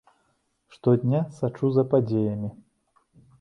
Штодня сачу за падзеямі.